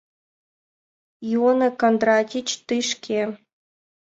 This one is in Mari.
— Иона Кандратич, тый шке...